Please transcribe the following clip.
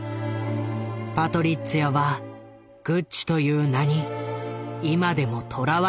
パトリッツィアはグッチという名に今でもとらわれ続けていた。